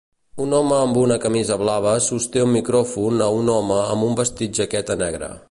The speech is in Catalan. Un home amb una camisa blava sosté un micròfon a un home amb un vestit jaqueta negre.